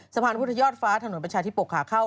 สะพานพุทธยอดฟ้าถนนประชาธิปกขาเข้า